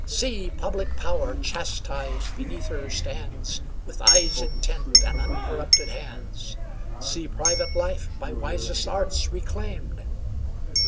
See! public Power, chastised, beneath her stands, With eyes intent, and uncorrupted hands! See private life by wisest arts reclaimed!